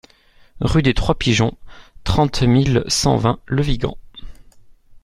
Rue des Trois Pigeons, trente mille cent vingt Le Vigan